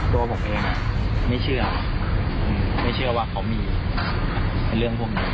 ตัวผมเองไม่เชื่อไม่เชื่อว่าเขามีเรื่องพวกนี้